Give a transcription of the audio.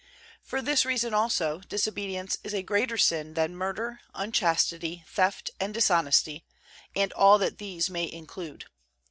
For this reason also disobedience is a greater sin than murder, unchastity, theft and dishonesty, and all that these may include.